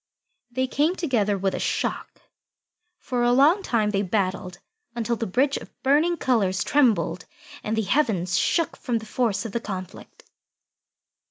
They came together with a shock. For a long time they battled, until the bridge of burning colours trembled and the heavens shook from the force of the conflict.